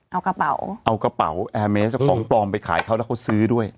เอากระเป๋าเอากระเป๋าแอร์เมสเอาของปลอมไปขายเขาแล้วเขาซื้อด้วย